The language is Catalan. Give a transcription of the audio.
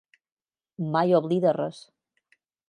Mai oblida res.